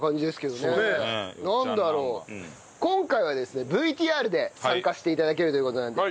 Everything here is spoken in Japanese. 今回はですねＶＴＲで参加して頂けるという事なんで。